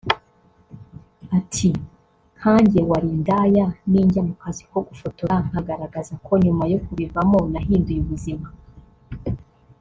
Ati “Nka njye wari indaya ninjya mu kazi ko gufotora nkagaragaza ko nyuma yo kubivamo nahinduye ubuzima